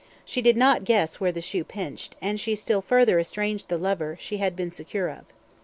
She did not guess where the shoe pinched, and she still further estranged the lover she had been secure of.